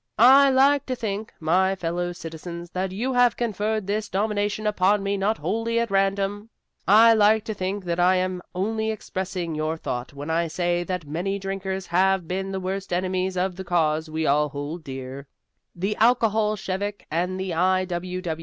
"I like to think, my fellow citizens, that you have conferred this nomination upon me not wholly at random. I like to think that I am only expressing your thought when I say that many drinkers have been the worst enemies of the cause we all hold dear. The alcoholshevik and the I.